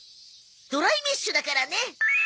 ドライメッシュだからね。